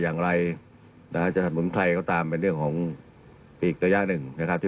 นำมาการอยู่ในเวลานี้